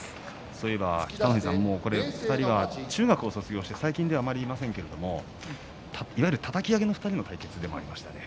そういえば北の富士さん２人は中学を卒業して最近ではあまりいませんけどいわゆる、たたき上げの２人の対決でもありましたね。